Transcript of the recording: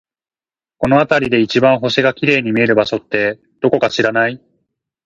この辺りで一番星が綺麗に見える場所って、どこか知らない？